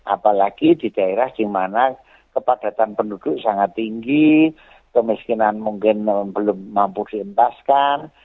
apalagi di daerah di mana kepadatan penduduk sangat tinggi kemiskinan mungkin belum mampu dientaskan